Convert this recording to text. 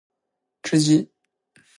吃鸡